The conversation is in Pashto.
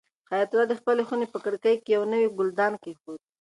حیات الله د خپلې خونې په کړکۍ کې یو نوی ګلدان کېښود.